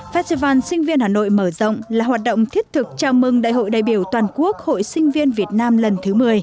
festival sinh viên hà nội mở rộng là hoạt động thiết thực chào mừng đại hội đại biểu toàn quốc hội sinh viên việt nam lần thứ một mươi